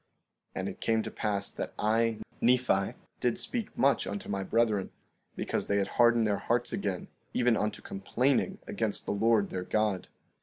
16:22 And it came to pass that I, Nephi, did speak much unto my brethren, because they had hardened their hearts again, even unto complaining against the Lord their God.